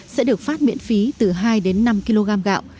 sẽ được phát miễn phí từ hai đến năm kg gạo